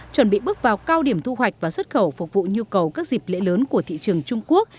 chuẩn bị bước vào cao điểm thu hoạch và xuất khẩu phục vụ nhu cầu các dịp lễ lớn của thị trường trung quốc